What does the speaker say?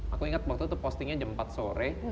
aku ingat waktu itu postingnya jam empat sore